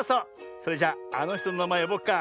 それじゃあのひとのなまえよぼうか。